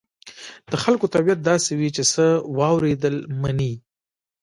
د خلکو طبيعت داسې وي چې څه واورېدل مني.